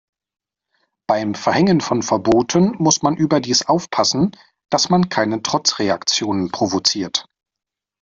Beim Verhängen von Verboten muss man überdies aufpassen, dass man keine Trotzreaktionen provoziert.